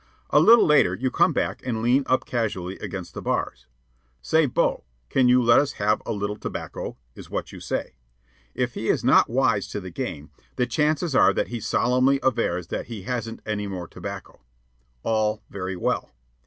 A little later you come back and lean up casually against the bars. "Say, Bo, can you let us have a little tobacco?" is what you say. If he is not wise to the game, the chances are that he solemnly avers that he hasn't any more tobacco. All very well.